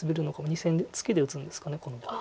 ２線でツケで打つんですかこの場合。